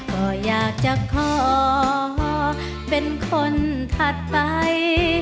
ก็อยากจะขอเป็นคนถัดไป